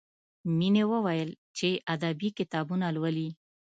مینې وویل چې ادبي کتابونه لولي